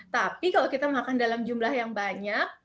tapi kalau kita makan dalam jumlah yang banyak